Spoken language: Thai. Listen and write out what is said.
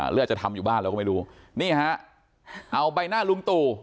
หรืออาจจะทำอยู่บ้านเราก็ไม่รู้นี่ฮะเอาใบหน้าลุงตู่